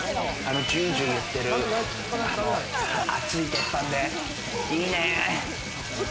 ジュジュいってる鉄板でいいね。